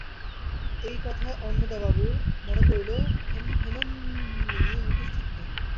এই কথায় অন্নদাবাবুর মনে পড়িল হেমনলিনী উপস্থিত নাই।